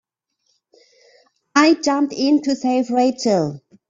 I jumped in to save Rachel.